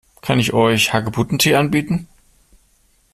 Kann ich euch Hagebuttentee anbieten?